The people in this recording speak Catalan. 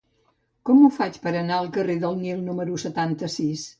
Com ho faig per anar al carrer del Nil número setanta-sis?